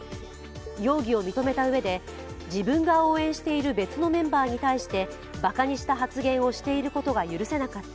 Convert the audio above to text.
容疑を認めたうえで自分が応援している別のメンバーに対してバカにした発言をしていることが許せなかった。